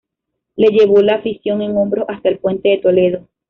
Le llevó la afición en hombros hasta el Puente de Toledo.